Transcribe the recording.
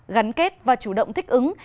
gắn kết và chủ động thích ứng